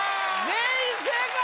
全員正解！